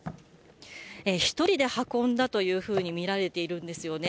１人で運んだというふうに見られているんですよね。